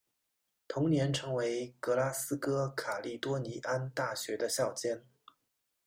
同年成为格拉斯哥卡利多尼安大学的校监。